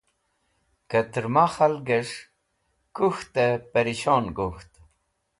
Kẽtẽrma khalgẽs̃h kũk̃htẽ pẽrishon gok̃ht.